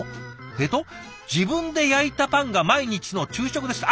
えっと「自分で焼いたパンが毎日の昼食です」。